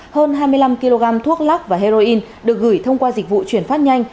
hơn hai mươi năm kg thuốc lắc và heroin được gửi thông qua dịch vụ chuyển phát nhanh